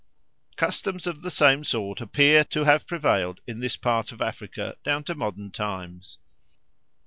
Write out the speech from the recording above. Customs of the same sort appear to have prevailed in this part of Africa down to modern times.